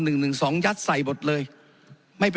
ขออนุโปรประธานครับขออนุโปรประธานครับขออนุโปรประธานครับ